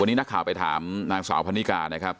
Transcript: วันนี้นักข่าวไปถามนางสาวพันนิกานะครับ